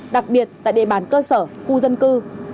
đặc biệt tại địa bàn cơ sở khu dân cư